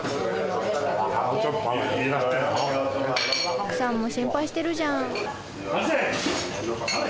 奥さんも心配してるじゃん。